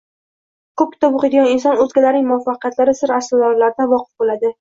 Ko‘p kitob o‘qiydigan inson o‘zgalarning muvaffaqiyatlari sir-asrorlaridan voqif bo‘ladi.